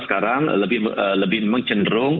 sekarang lebih mencenderung